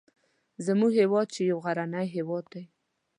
زموږ هیواد چې یو غرنی هیواد دی